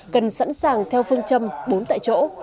cần sẵn sàng theo phương châm bốn tại chỗ